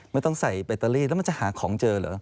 ไม่ต้องใส่แบตเตอรี่แล้วมันจะหาของเจอเหรอ